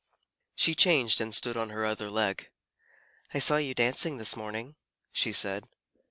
She changed, and stood on her other leg. "I saw you dancing this morning," she said.